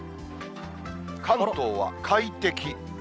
関東は快適。